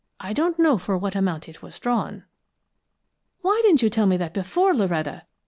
I don't know for what amount it was drawn." "Why didn't you tell me that before, Loretta?"